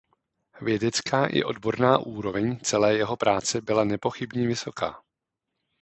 Vědecká i odborná úroveň celé jeho práce byla nepochybně vysoká.